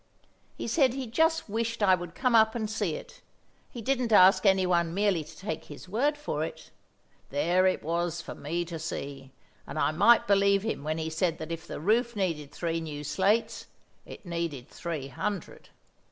He said he just wished I would come up and see it; he didn't ask anyone merely to take his word for it; there it was for me to see; and I might believe him when he said that if the roof needed three new slates it needed three hundred.